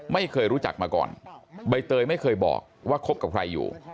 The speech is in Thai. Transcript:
ไม่เคยรู้จักมาก่อนใบเตยไม่เคยบอกว่าคบกับใครอยู่